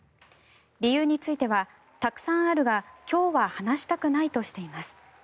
理由については、たくさんあるが今日は話したくないとしています。